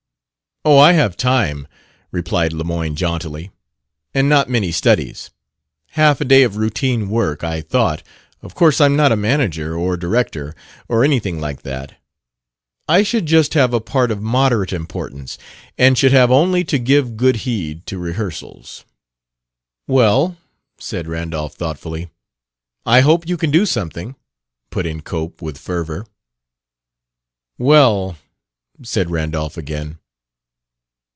"Oh, I have time," replied Lemoyne jauntily, "and not many studies. Half a day of routine work, I thought.... Of course I'm not a manager, or director, or anything like that. I should just have a part of moderate importance, and should have only to give good heed to rehearsals...." "Well," said Randolph thoughtfully. "I hope you can do something," put in Cope, with fervor. "Well," said Randolph again.